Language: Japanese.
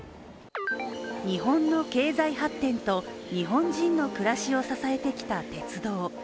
日本の経済発展と日本人の暮らしを支えてきた鉄道。